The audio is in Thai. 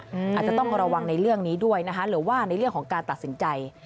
อาจจะต้องระวังในเรื่องนี้ด้วยนะคะหรือว่าในเรื่องของการตัดสินใจ